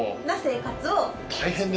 な生活を。